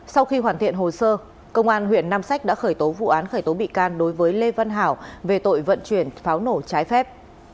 sau khi hoàn thiện hồ sơ công an huyện nam sách đã khởi tố vụ án khởi tố bị can đối với lê văn hảo về tội vận chuyển pháo nổ trái phép